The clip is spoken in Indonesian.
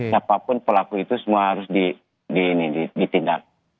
siapapun pelaku itu semua harus ditindak